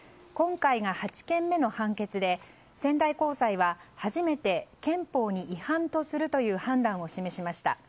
今回が８件目の判決で仙台高裁は初めて憲法に違反とするという判断を示しました。